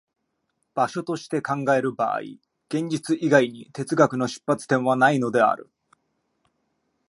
場所として考える場合、現実以外に哲学の出発点はないのである。